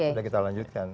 sudah kita lanjutkan